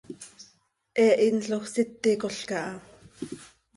He hinloj síticol caha.